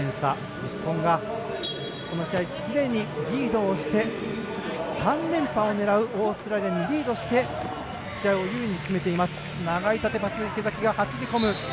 日本が、この試合常にリードして３連覇を狙う、オーストラリアにリードして試合を優位に進めています。